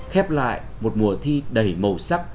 khép lại một mùa thi đầy màu sắc